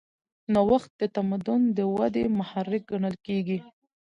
نوښت د تمدن د ودې محرک ګڼل کېږي.